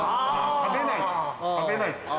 「食べない」か。